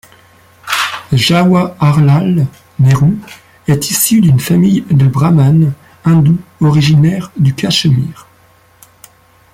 Jawaharlal Nehru est issu d'une famille de brahmanes hindous originaires du Cachemire.